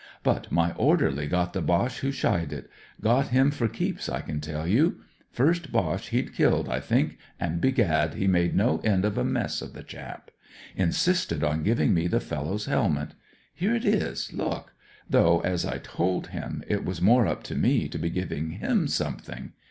But my orderly got the Boche who shied it; got him for keeps, I can tell you. First Boche he*d killed, I think, and, begad, he made no end of a mess of the chap. Insisted on giving me the fellow's helmet. Here it is, look ; though, as I told him, it was more up to me to be giving him some thing.